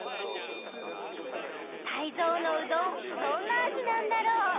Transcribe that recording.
タイゾウのうどんどんなあじなんだろう？